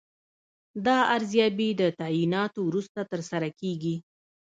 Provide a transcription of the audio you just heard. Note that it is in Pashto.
دا ارزیابي د تعیناتو وروسته ترسره کیږي.